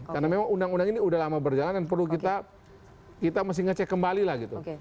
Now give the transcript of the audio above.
karena memang undang undang ini sudah lama berjalan dan perlu kita kita mesti ngecek kembali lah gitu